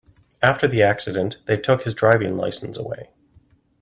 After the accident, they took his driving license away.